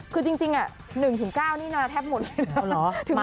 คือจริง๑ถึง๙นี่แทบหมดเลยนะ